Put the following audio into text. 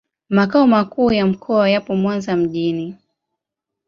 Makao makuu ya mkoa yapo Mwanza mjini.